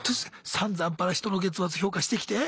さんざんぱら人の月末評価してきて。